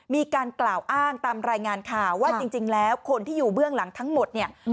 มีการกล่าวอ้างตามรายงานข่าวว่าจริงแล้วคนที่อยู่เบื้องหลังทั้งหมดเนี่ย